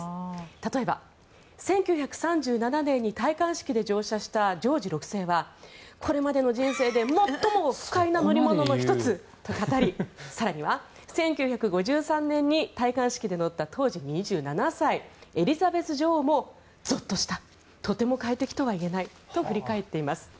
例えば、１９３７年に戴冠式で乗車したジョージ６世はこれまでの人生で最も不快な乗り物の１つと語り更には１９５３年に戴冠式で乗った当時２７歳、エリザベス女王もぞっとしたとても快適とは言えないと振り返っています。